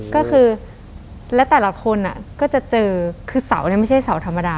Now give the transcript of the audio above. ก็คือและแต่ละคนก็จะเจอคือเสาเนี่ยไม่ใช่เสาธรรมดา